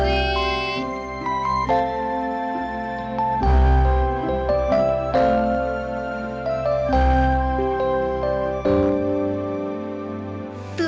tuh kan cantik